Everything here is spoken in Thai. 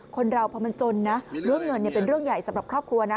คนเราพอมันจนนะเรื่องเงินเป็นเรื่องใหญ่สำหรับครอบครัวนะ